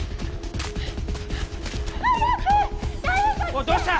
おいどうした？